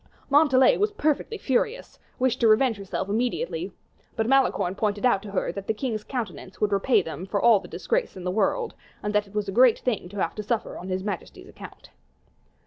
Montalais, who was perfectly furious, wished to revenge herself immediately, but Malicorne pointed out to her that the king's countenance would repay them for all the disgraces in the world, and that it was a great thing to have to suffer on his majesty's account.